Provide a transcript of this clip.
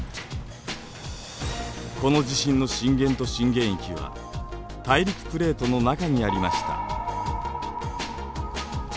この地震の震源と震源域は大陸プレートの中にありました。